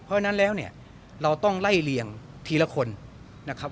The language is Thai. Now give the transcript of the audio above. เพราะฉะนั้นแล้วเนี่ยเราต้องไล่เลี่ยงทีละคนนะครับ